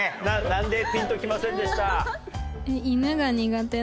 なんでピンときませんでした？